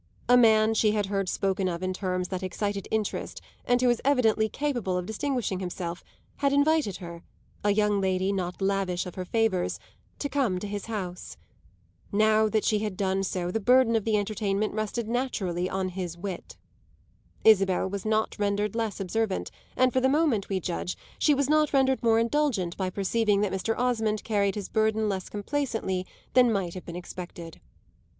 A man she had heard spoken of in terms that excited interest and who was evidently capable of distinguishing himself, had invited her, a young lady not lavish of her favours, to come to his house. Now that she had done so the burden of the entertainment rested naturally on his wit. Isabel was not rendered less observant, and for the moment, we judge, she was not rendered more indulgent, by perceiving that Mr. Osmond carried his burden less complacently than might have been expected.